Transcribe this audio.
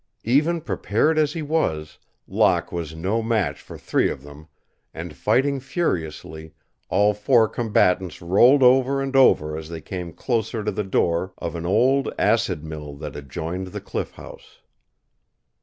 Even prepared as he was, Locke was no match for three of them, and, fighting furiously, all four combatants rolled over and over as they came closer to the door of an old acid mill that adjoined the Cliff House.